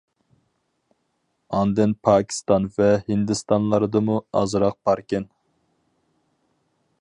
ئاندىن پاكىستان ۋە ھىندىستانلاردىمۇ ئازراق باركەن.